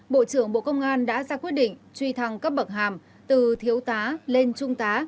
bộ trưởng bộ công an đã ra quyết định truy thăng cấp bậc hàm từ thiếu tá lên trung tá